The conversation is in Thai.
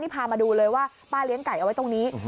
พามาดูเลยว่าป้าเลี้ยงไก่เอาไว้ตรงนี้